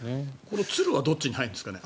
鶴はどっちに入るんですかね。